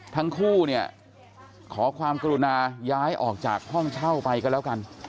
ทั้งคู่เนี่ยขอความกรุณาย้ายออกจากห้องเช่าไปก็แล้วกัน